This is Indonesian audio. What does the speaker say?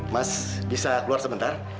mas bisa keluar sebentar